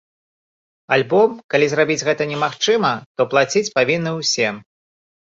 Альбо, калі зрабіць гэта немагчыма, то плаціць павінны ўсе.